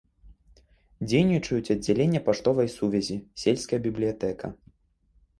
Дзейнічаюць аддзяленне паштовай сувязі, сельская бібліятэка.